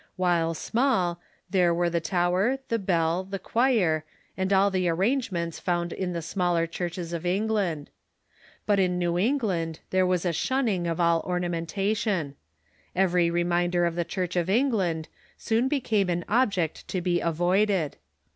While small, there were the tower, the bell, the choir, Church Edifices 111^1 4. £ i •^\ n and all the arrangements found in the smaller churches of England. But in New England there Avas a shun nino of all ornamentation. Every reminder of the Church of England soon became an object to be avoided.